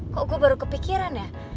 kok gue baru kepikiran ya